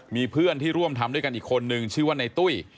มีเพื่อนที่ร่วมทำด้วยกันอีกคนนึงชื่อว่าในตุ้ย